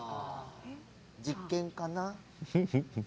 実験かな？